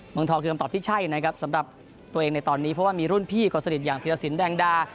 เมืองทองคือคำตอบที่ใช่นะครับสำหรับตัวเองในตอนนี้เพราะว่ามีรุ่นพี่คนสนิทอย่างธีรสินแดงดา